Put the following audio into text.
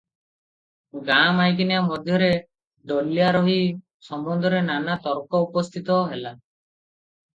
ଗାଁ ମାଈକିନିଆ ମଧ୍ୟରେ ଡୋଲ୍ୟାରୋହୀ ସମ୍ବନ୍ଧରେ ନାନା ତର୍କ ଉପସ୍ଥିତ ହେଲା ।